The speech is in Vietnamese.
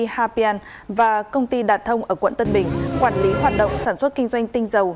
hapian và công ty đạt thông ở quận tân bình quản lý hoạt động sản xuất kinh doanh tinh dầu